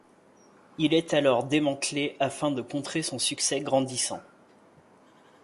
Il est alors démantelé afin de contrer son succès grandissant.